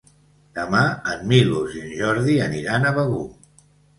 Demà en Milos i en Jordi aniran a Begur.